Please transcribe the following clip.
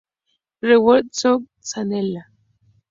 Renate Wagner: Zanella.